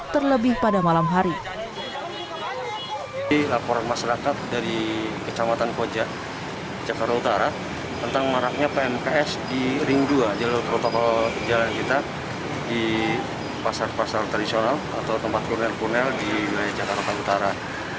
pembaikan warga dan pmks di kawasan koja jakarta utara